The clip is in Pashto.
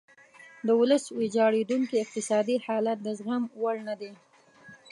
د ولس ویجاړیدونکی اقتصادي حالت د زغم وړ نه دی.